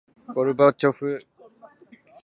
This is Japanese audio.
ゴルバチョフ書記長